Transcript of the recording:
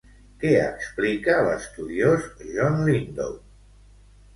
Què explica l'estudiós John Lindow?